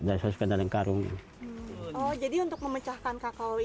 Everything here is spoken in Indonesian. the blue punches berak kita kasih mungkin kok